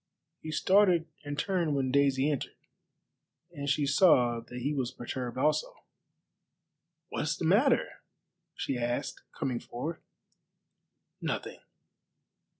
He started and turned when Daisy entered, and she saw that he was perturbed also. "What is the matter?" she asked, coming forward. "Nothing.